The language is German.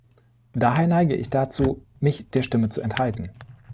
Daher neige ich dazu, mich der Stimme zu enthalten.